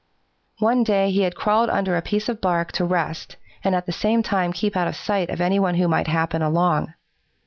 "One day he had crawled under a piece of bark to rest and at the same time keep out of sight of any who might happen along.